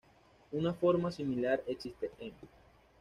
Una forma similar existe en